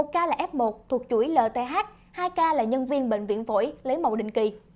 một ca là f một thuộc chuỗi lth hai ca là nhân viên bệnh viện phổi lấy mẫu định kỳ